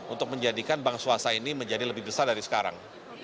untuk menjadikan bank swasta ini menjadi lebih besar dari sekarang